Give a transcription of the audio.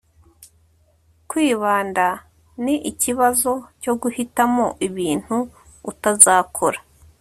kwibanda ni ikibazo cyo guhitamo ibintu utazakora